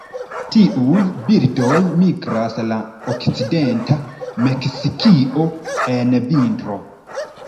Tiuj birdoj migras al okcidenta Meksikio en vintro.